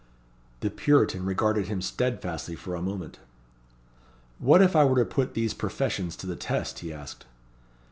The Puritan regarded him steadfastly for a moment. "What if I were to put these professions to the test?" he asked.